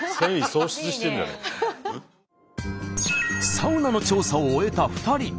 サウナの調査を終えた２人。